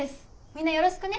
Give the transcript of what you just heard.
みんなよろしくね。